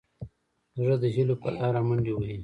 زړه د هيلو په لاره منډې وهي.